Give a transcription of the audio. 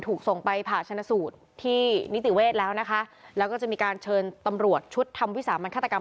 ถูกส่งไปผ่าชนะสูตรที่นิติเวศแล้วนะคะแล้วก็จะมีการเชิญตำรวจชุดทำวิสามันฆาตกรรม